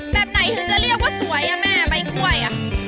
แบบไหนถึงจะเรียกว่าสวยอ่ะแม่ใบกล้วย